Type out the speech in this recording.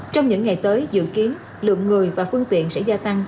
trong những ngày tới dự kiến lượng người và phương tiện sẽ gia tăng